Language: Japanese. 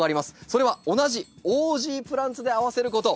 それは同じオージープランツで合わせること。